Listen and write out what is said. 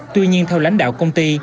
tuy nhiên theo lãnh đạo công ty